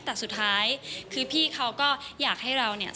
แต่สุดท้ายคือพี่เขาก็อยากให้เราเนี่ย